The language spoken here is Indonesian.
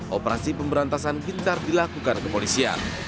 operasi pemberantasan gitar dilakukan ke polisi